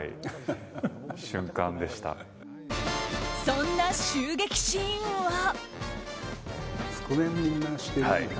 そんな襲撃シーンは。